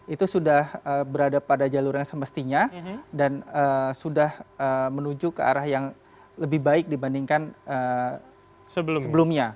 itu sudah berada pada jalur yang semestinya dan sudah menuju ke arah yang lebih baik dibandingkan sebelumnya